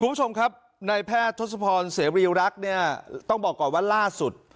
สวัสดีคุณผู้ชมครับในแพทย์ทศพรเสรียริยุรักษ์ต้องบอกก่อนว่าล่าสุด